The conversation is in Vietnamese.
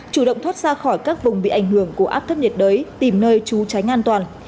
chủ động thoát ra khỏi các vùng bị ảnh hưởng của áp thấp nhiệt đới tìm nơi trú tránh an toàn